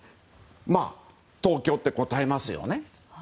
東京って答えますよね。